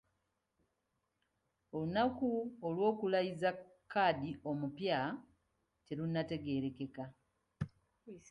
Olunaku olw'okulayiza Kadhi omupya terunnategeerekeka.